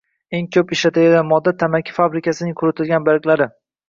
Eng ko'p ishlatiladigan modda - tamaki fabrikasining quritilgan barglari.